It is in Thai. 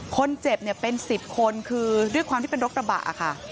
คนเจ็บเนี่ยเป็น๑๐คนคือด้วยความที่เป็นรถกระบะค่ะ